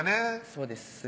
そうですね